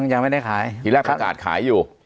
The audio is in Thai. ยังไม่ได้ขายทีแรกประกาศขายอยู่